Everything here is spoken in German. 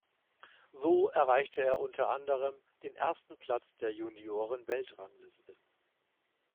So erreichte er unter anderem den ersten Platz der Junioren-Weltrangliste.